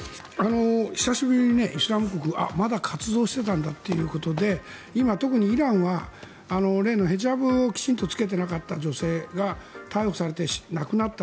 久しぶりにイスラム国まだ活動していたんだってことで今、特にイランは例のヒジャブをきちんと着けていなかった女性が逮捕されて亡くなった。